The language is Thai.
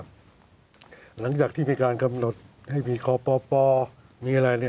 เพราะว่าหลังจากที่มีการขำนดให้มีขย์ครอบครัวมีอะไร